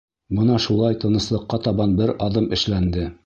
Бына шулай тыныслыҡҡа табан бер аҙым эшләнде.